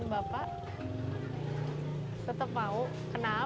ya biar terserah lah aja